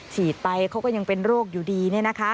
ฉีดไปเขาก็ยังเป็นโรคอยู่ดี